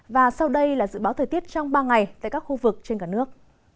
và sau đây là dự báo thời tiết trong ba ngày tại các khu vực trên cả nước